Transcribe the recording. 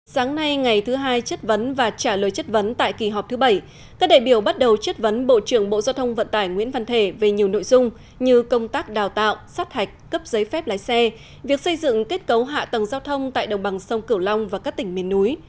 sáng nay ngày thứ hai chất vấn và trả lời chất vấn tại kỳ họp thứ bảy các đại biểu bắt đầu chất vấn bộ trưởng bộ giao thông vận tải nguyễn văn thể về nhiều nội dung như công tác đào tạo sát hạch cấp giấy phép lái xe việc xây dựng kết cấu hạ tầng giao thông tại đồng bằng sông cửu long và các tỉnh miền núi